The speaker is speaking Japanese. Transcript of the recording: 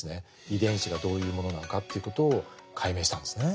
遺伝子がどういうものなのかということを解明したんですね。